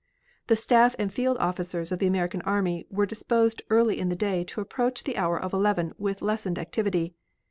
The staff and field officers of the American army were disposed early in the day to approach the hour of eleven with lessened activity.